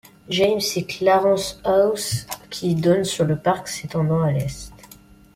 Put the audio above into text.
James et Clarence House qui donnent sur le parc s'étendant à l'Est.